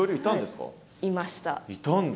いたんだ。